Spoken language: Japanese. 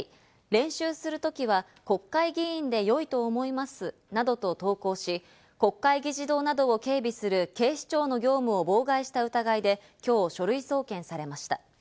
練習する時は国会議員でよいと思いますなどと投稿し、国会議事堂などを警備する警視庁の業務を妨害した疑いで、今日、書類送検されました。